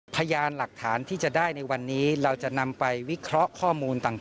พยานหลักฐานที่จะได้ในวันนี้เราจะนำไปวิเคราะห์ข้อมูลต่าง